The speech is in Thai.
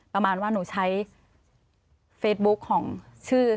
ประมาณว่าหนูใช้เฟซบุ๊คของชื่อ